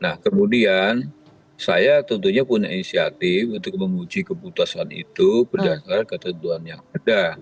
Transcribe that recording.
nah kemudian saya tentunya punya inisiatif untuk menguji keputusan itu berdasar ketentuan yang ada